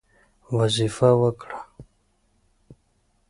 وظیفه ورکړه.